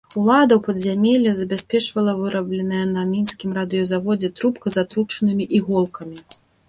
Улада ў падзямеллі забяспечвала вырабленая на мінскім радыёзаводзе трубка з атручанымі іголкамі.